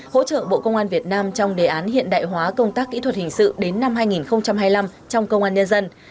hỗ trợ bộ công an việt nam trong đề án hiện đại hóa công tác kỹ thuật hình sự đến năm hai nghìn hai mươi năm trong công an nhân dân